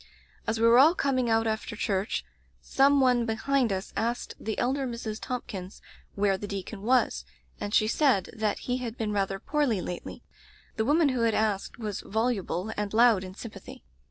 "As we were all coming out after church, some one behind us asked the elder Mrs. Thompkins where the deacon was, and she said that he had been rather poorly lately. The woman who had asked was voluble and loud in sympathy.